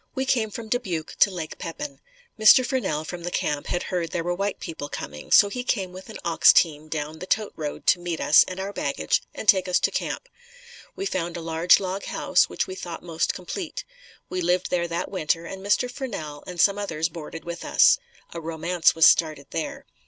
We came from Dubuque to Lake Pepin. Mr. Furnell, from the camp, had heard there were white people coming so he came with an ox team down the tote road to meet us and our baggage, and take us to camp. We found a large log house which we thought most complete. We lived there that winter and Mr. Furnell and some others boarded with us. A romance was started there.